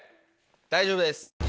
大丈夫です。